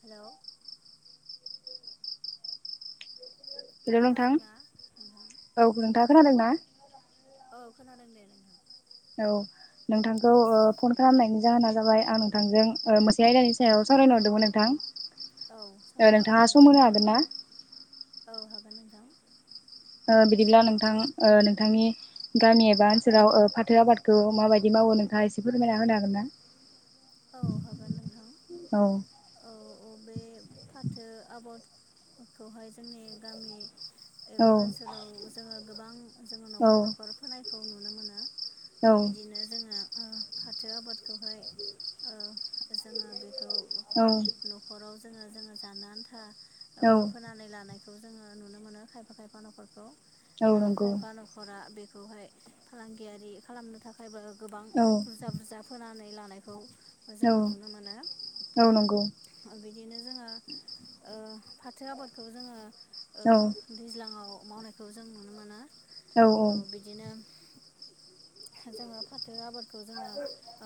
Hello hello नोंथां खोनादोंना नोंथां औ नोंथाङा खोनादों ना? औ खोनादों दे नोंथां औ नोंथांखौ फन खालामनायनि जाहोना जाबाय आं नोंथांजों मो नसे आयदानि औ सायाव सावरायनो हरदोंमोन औ नोंथां। सावरायजागोन नोंथाङा दे सम नोंथां होनो हागोन ना? औ हागोन नोंथां। बिदिब्ला नोंथां नोंथांनि गामि एबा ओनसोलाव फाथो आबादखौ माबायदि मावो नों थां एसे फोरमायना होनो हागोन ना? औ हागोन नोंथां औ औ बे फाथो आबादखौहाय जोंनि गामि औ एबा ओनसोलाव जोङो गोबां जोङो औ न'खर न'खर फोनायखौ नुनो मोनो। औ बिदिनो जोङो ओ फाथो आबादखौहाय ओ जोङो बे औ न'खराव जोङो जोङो जानो औ आन्थोबो फोनानै लानाय जोङो नुनो मोनो खायफा खायफा न'खरखौ औ आरो नंगौ खायफा न'खरा बे खौहाय फालांगियारि खालामनो थाखायबो गोबां औ बुरजा-बुरजा फोनानै लानायखौ औ जोङो नुनो मोनो। औ नंगौ बि दिनो जोङो फाथो आबादखौ जोङो औ दैज्लाङाव मावनायखौ जों नुनो मोनो औ बिदिनो जोङो फाथो आबादखौ जोङो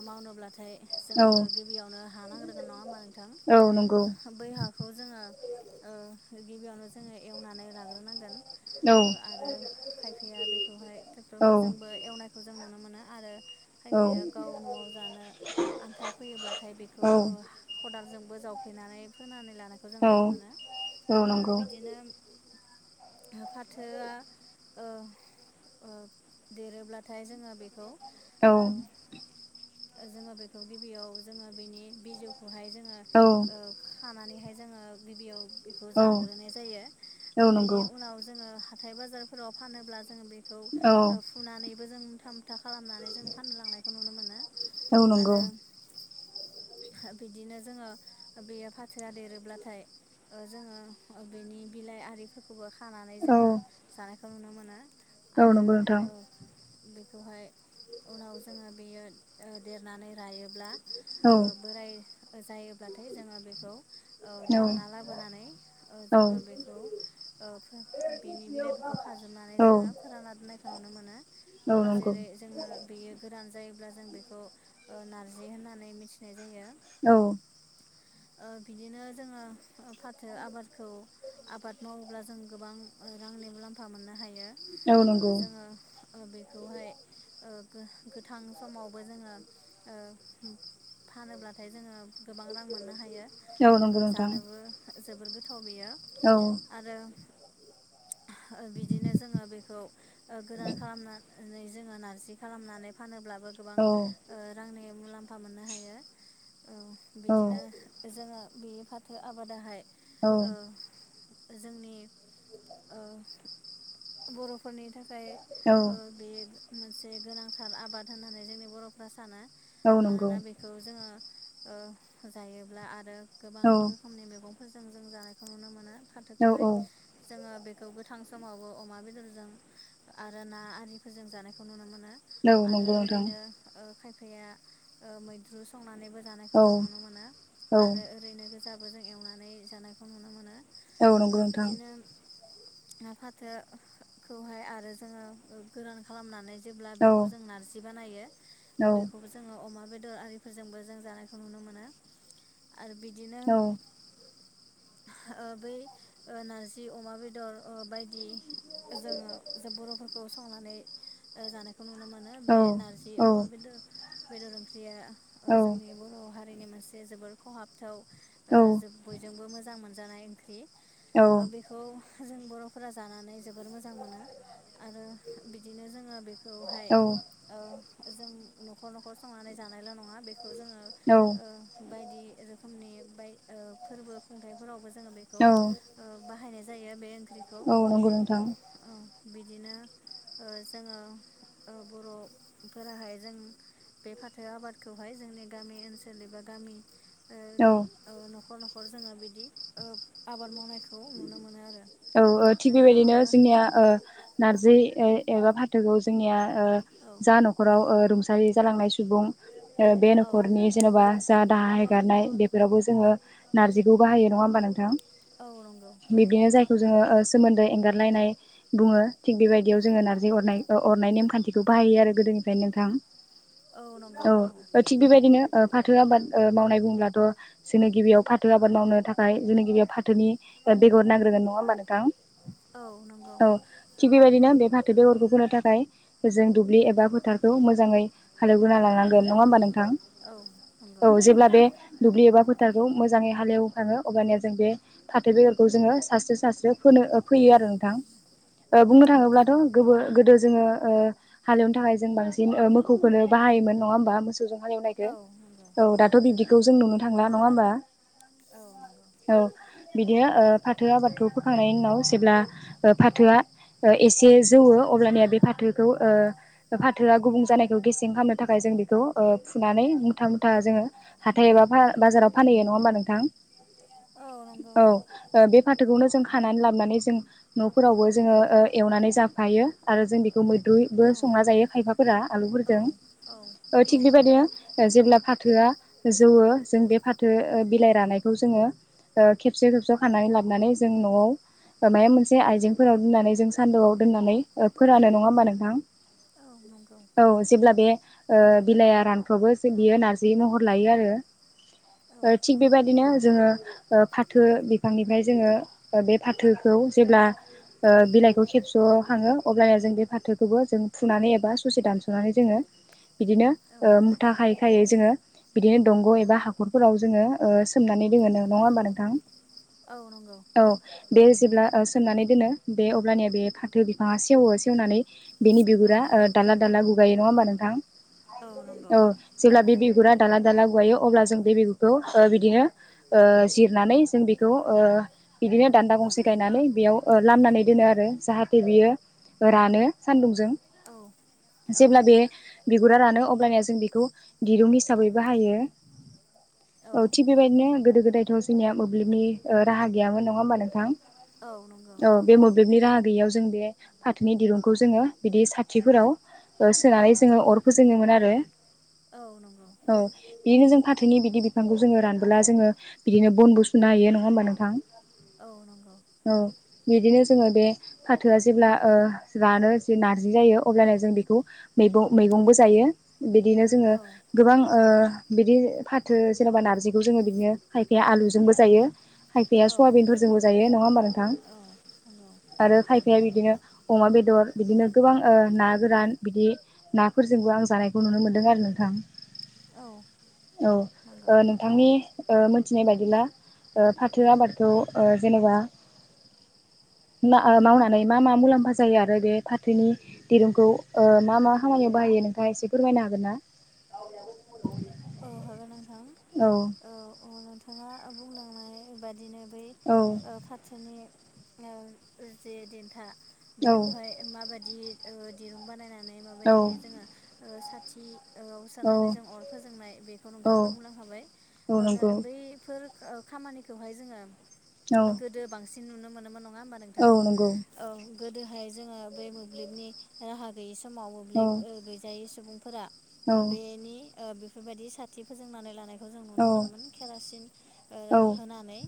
मावनोब्लाथाय औ जोंनो गिबियावनो हानांग्रोगोन नङा होमबा औ नंगौ नोंथां बै हाखौ जोङो गिबियावनो जोङो एवनानै लाग्रोनांगोन औ आरो खायफाया बेखौहाय ट्रेक्टर औ फोरजोंबो एवनायखौ जों नुनो मोनो आरो औ खायफाया गाव न'आव जानो आन्था फैयोब्लाथाय बेखौ खदालजों बोजावफ्लेनानै फोनानै लानायखौ जों औ नुनो औ औ मोनो नंगौ बिदिनो फाथोआ देरोब्लाथाय जोङो बेखौ औ ओ जोङो बेखौ गिबियाव जोङो बेनि बिजौखौहाय जोङो औ ओ मानेहाय जोङो गिबियाव बेखौ औ जाग्रोनाय जायो औ नंगौ बेनि उनाव जोङो हाइ बाजारफोराव फानोब्ला जो बेखौ औ फुनानै जों मुथा मुथा खालामनानै जों फाननो लांनायखौ नुनो मोनो। औ नंगौ। आरो बिदिनो जोङो बेयो फाथोया देरोब्लाथाय ओजोङो ओ बेनि बिलाइ आरिफोरखौबो खानानै औ जोङो जानायखौ नुनो मोनो। औ आरो नंगौ नोंथां ओ बेखौहाय उनाव जोङो बेयो ओ देरनानै रायोब्ला औ ओ बोराय जायोब्लाथाय जोङो बेखौ औ दानना लाबोनानै ओ औ जोङो बेखौ ओ बिनि बिलाइफोरखौ खाजोबनानै औ जोङो फोरानना दोननायखौ नुनो मोनो। औ ओ नंगौ जेरै जोङो बेयो गोरान जायोब्ला जों बे खौ ओ नारजि होननानै मिथिनाय जायो। औ। ओ बिदिनो जोङो फाथो आबादखौ आबाद मावोब्ला जों गोबां रांनि मुलाम्फा मोननो हायो औ ओ नंगौ जोङो ओ बेखौहाय ओ गो- गोथां समावबो जोङो ओ फानोब्लाथाय जोङो गोबां रां मोनो। औ ओ नंगौ नोंथां जानोबो जोबोर गोथाव बेयो औ आरो [inaudible] ओ बिदिनो जोङो बेखौ ओ गोरान खालामनानै जोङो नारजि खालामनानै फानोब्ला बो गोबां औ ओ रांनि मुलाम्फा मोननो हायो ओ बिदिनो जोङो बे फाथो आबादाहाय औ ओ जोंनि ओ बर'फोरनि थाखाय औ ओ बे मोनसे गोनांथार आबाद होननानै जोंनि बर'फ्रा सानो। औ नंगौ मानोना बेखौ जोङो ओ जायोब्ला आरो गोबां औ रोखोमनि मैगं फोरजों जों जानायखौ नुनो मोनो औ फाथोखौहाय जोङो बेखौ गोथां समावबो अमा बेदरजों आरो ना आरिफोरजों जानायखौ नुनो मोनो। औ आरो नंगौ नोंथां ओरैनो ओ खायफाया ओ मैद्रु संनानैबो औ जानायखौ जों नुनो मोनो औ आरो ओरैनो गोजाबो जों एवनानै जानायखौ नुनो मोनो। औ नंगौ नोंथां। दा फाथोखौहाय आरो जोङो गोरान खालामनानै जेब्ला औ बेखौ जों नारजि बानायो औ बेखौबो जोङो अमा बेदर आरिफोरजोंबो जों जानायखौ नुनो मोनो। आरो बिदिनो ओ बै ओ नारजि अमा बेदर ओ बायदि जोङो ज बर'फोरखौ संनानै ओ जानायखौ नुनो मोनो बे नारजि अमा बेदर बेदर ओंख्रिया औ ओ जोंनि बर' हारिनि मोनसे बे जोबोर खहाबथाव ओ जो बयजोंबो मोजां मोनजानाय ओंख्रि। ओ औ बेखौ जों बर'फोरा जानानै जोबोर मोजां मोनो। आरो बिदिनो जोङो बेखौहाय ओ जों न'खर न'खर संनानै जानायल' नङा बेखौ जोङो औ ओ बायदि रोखोमनि बाय ओ फोरबो खुंथाइफोरावबो जोङो बेखौ औ औ ओ बाहायनाय जा। [unintelligible] बे ओंख्रिखौ औ नंगौ नोंथां औ बिदिनो। ओ जोङो ओ बर'फोराहाय जों बे फाथो आबादखौहाय जोंनि गामि ओनसोलनि बाथ औ गामिनि ओ निओ न'खर न'खर जोङो बिदि ओ आबाद मावनायखौ नुनो मोनो आरो। औ ओ थिग बेबायदिनो नोंथाङाबो जोंनिया ओ औ नारजि एबा फाथोखौ जोंनिया ओ औ जा न'खराव ओ रुंसारि जालांनाय सुबुं बे औ न'खरनि जेन'बा जा दाहा हेगारनाय बेफोरावबो जोङो नारजिखौ बाहायो नङा होमबा नोंथां? औ नंगौ औ बिब्दिनो जायखौ जोङो सोमोन्दो एंगारलायनाय बुङो थिग बेबायदियाव जोङो नार्जि अरनाय अरनाय नेमखान्थिखौ बाहायो आरो। गोदोनिफ्राय नोंथां औ नंगौ औ थिग बेबायदिनो फाथो आबाद मावनाय बब्लाथ' जोंनि गिबियाव फाथो आबाद मावनो थाखाय जोंनि गिबियाव फाथोनि बेगर नांग्रोगोन नङा होनोमानो। औ औ नंगौ थिग बेबायदिनो बे फाथो बेगरखौ होनो थाखाय। जों दुब्लि एबा फोथारखौ मोजाङै हालेवगोना लांनांगोन नङा होमबा नोंथां? औ नंगौ औ जेब्ला बे दुब्लि एबा फोथारखौ मोजाङै हालेवखाङो अबानिया जों बे फाथो बेगरखौ जोङो सास्रो सास्रो। ै आरो नोंथ औ बुंनो नंगौ थाङोब्लाथ जोङो हालेवनो थाखाय जों बांसिन मोसौखौनो बाहायोमोन नङा होमबा? मो जों हालेव नायखौो औ नंगौ औ दाथ' बिब्दिखौ जों नुनो थांला नङा होमबा? औ नंगौ औ बिदि फाथो आबाथ फोखांनायनि उनाव जेब्ला फाथोआ एसे जौवो अब्लानिया बे फाथोखौ फाथोआ गुबुं जानायखौ गेसें खालामनो थाखाय जों बेखौ फुनानै मुथा मुथा जोङो हाथ। हाथायबा बाजाराव फानहैयो नङा होमबा नोंथां? औ नंगौ औ बे फाथोखौनो जों हानानै लाबोनानै जों न'फोरावबो जोङो एवनानै जाफायो आरो जों बेखौ म ुइबो औ संना जायो खायफाफोरा औ आलुफोरजों औ औ थिग बेबायदि जे‌ फाथोआ जौव जों बे फाथो बिलाइ रानायखौ जोङो खेबसे खेबसेयाव खानानै लाबोनानै जों न'आव माबा मोनसे आइजेंफोराव दोननानै जों सान्दुआव दोननानै, फोरानो नङा होमबा नोंथां? औ नंगौ औ जेब्ला बे बिलाइया रानफ्रावबो जों बियो नारजि महर लायो औ आरो। थिग बेबायदिनो, जोङो फाथो बिफांनिफ्राय जोङो बे फाथोखौ जेब्ला बिलाइखौ खेबस' खाङो अब्लानोा जों बे फाथोखौबो जों फुनानै एबा सुसे दानस'नानै जोङो। [inaudible] बिदिनो औ मुथााखायय फेखायै जोङो बिदिनो दंग' एबा हाखरफोराव जोङो अ, सोमनानै दोङो, नङा होमबा नोंथां? औ नंगौ औ बे जेब्ला सोमनानै दोनो बे अब्लानिया बे फाथो बिफाङा सेवो सेवनानै बेनि औ बिगुरा दाला दाला गुगायो नङा होमबा नोंथां? औ नंगौ औ जेब्ला बे बिुर गुरा दाला दाला गुवायो अब्ला जों बे बिगुरखौ बिदिनो जिरनानै जों बेखौ बिदिनो दान्दा गंसे गायनानै बेयाव लामनानै दोनो आरो जाहाथे बियो रानो सान्दुं औ औ ज गुरा रानो अबानया जों बेखौ दिरुं हिसाबै बाहायो। औ थिग बेबायदिनो गोदो गोदायथ' जोंनिया मोब्लिबनि राहा गैयामोन नङा होमबा नोंथां? औ नंगौ औ बे मोब्लिबनि राहा बेयाव जों बे फाथोनि दिरुंखौ जोङो बिदि साथिफोराव। औ सोनानै जोङो अरखौ जोङोमोन आरो। औ नंगौ औ बिदिनो जों फाथोनि बिदि बिफांखौ जोङो रानबोला जोङो बिदिनो बनबो सुनो हायो नङा होमबा नोंथां? औ नंगौ औ। बिदिनो जोङो बे फाथोआ जेब्ला ओ जानो जि नारजि जायो अब्लानो जों बेखौ मैबं मैगंबो जायो, बिदिनो जोङो औ गोबां ओ बिदि फाथो जेनेबा नारजिखौ जोङो बिदिनो खायफाया आलुजोंबो जायो खायफ औ पवाबिनफोरजोंबो जायो नङा होमबा नोंथां? औ नंगौ आरो खायफ बिदिनो अमा बेदर बिदिनो गोबां ओ ना गोरान बिदि नाफोरजोंबो आं जानायखौ नु नुनो मोनदों आरो नोंथां औ औ नंगौ ओ नोंथांनि ओ मिथिनाय बायदिब्ला ओ फाथो आबादखौ ओ जेनेबा [unintelligible] माआ मावनानै मा मा मुलाम्फा जायो आरो बे फाथोनि दिरुंखौ ओ मा मा खामानियाव बाहायो? दे नोंथाङा एसे फोरमायनो हागोन ना? अ हागोन नोंथां। औ थाङा बुंलांनाय बादिनो बै औ ओ फाथोनि ओ जे देन्था औ बेखौहाय माबादि ओ दिरुं बानायना नै माबायदिहाय जोङो ओ साथि औ सोनानै जों अर फोजोंनाय बेखौ नोंथाङा बुंलांखाबाय औ ओनो नंगौ बैफोर खामानिखौहाय जोङो औ गोदो बांसिन नुनो मोनोमोन न ङा होमबा औ नोंथां नंगौ औ गोदोहाय जोङो बै मोब्लिबनि राहा गैयै स समाव औ मोब्लिब ओ गैजायै सुबुंफोरा औ ओ बेनि ओ बेफोरबायदि साथि फोजोंनानै लानाय औ सिन ओ औ होनानै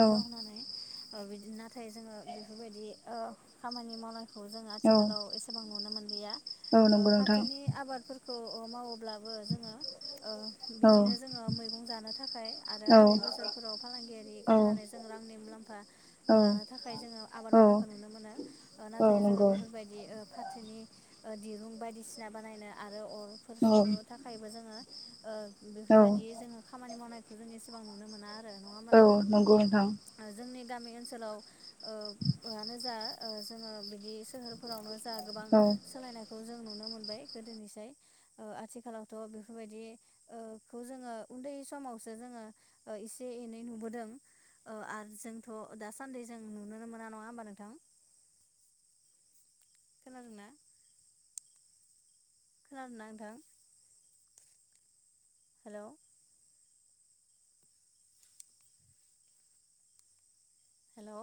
औ थाव होनानै ओ बिदि नाथाय जोङो बेफोरबायदि ओ खामानि मावनाय खौ जों आथिखालाव एसेबां नुनो मोनलिया ओ नंगौ नोंथां फाथोनि ओ आबादफोर खौ ओ मावोब्लाबो जोङो ओ औ बिदिनो जोङो मैगं जानो था खाय आरो औ हाथाय बोसोरफोराव फालांगियारि औ खालामनानै जों रांनि मुलाम्फा औ लानो थाखाय जोङो आब बाद औ मावनायखौ नुनो मोनो ओ औ नाथाय जोङो नंगौ औ बेफोरबायदि ओ फाथोनि ओ दिरुं बायदिसिना बानायनो आरो अरफोर औ सुनो थाखायबो जोङो ओ औ बेफोरबायदि जोङो खामानि मावनायखौ जों एसेबां नुनो मोना आ औ नंगौ नोंथां गामि ओनसोलाव ओ आनो जा ओ जोङो बिदि सोहोरफोरावनो गोबां औ सोलायनायखौ जों नु नो मोनबाय गोदोनिसाय ओ आथिखालावथ' बेफोरबायदि ओ उन्दै समाव सो जोङो ओ एसे एनै नुबोदों ओ आर जोंथ' दासान्दि जों नुनो मोन ना नङा होमबा नोंथां? खोनादों ना? खोनादों ना नोंथां? Hello hello